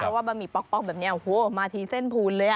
เพราะว่าบะหมี่ป๊อกแบบเนี่ยมาทีเส้นพูนเลยอะ